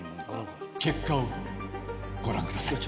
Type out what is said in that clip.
結果をご覧ください。